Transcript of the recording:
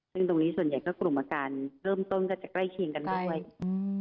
ซึ่งตรงนี้ส่วนใหญ่ก็กลุ่มอาการเริ่มต้นก็จะใกล้เคียงกันด้วยอืม